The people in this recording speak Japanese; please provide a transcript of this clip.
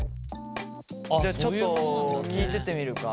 じゃあちょっと聞いてってみるか。